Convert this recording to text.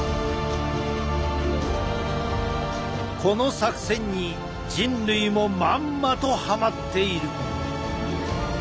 この作戦に人類もまんまとはまっている。